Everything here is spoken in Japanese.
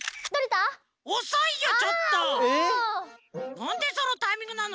なんでそのタイミングなの？